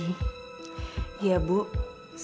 iya bu saya pikir ini cara terbaik yang bisa diberikan